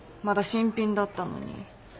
まだ新品だったのに。